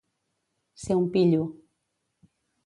Ser un pillo.